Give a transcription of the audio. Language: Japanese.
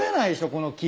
この木。